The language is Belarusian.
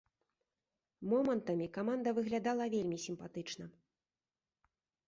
Момантамі каманда выглядала вельмі сімпатычна.